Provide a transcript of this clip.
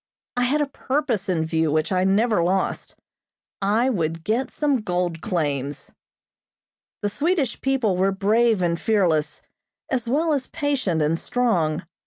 I had a purpose in view which I never lost. I would get some gold claims. The Swedish people were brave and fearless, as well as patient and strong.